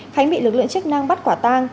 khánh bị lực lượng chức năng bắt quả tang